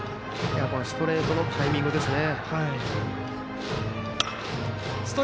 ストレートのタイミングですね。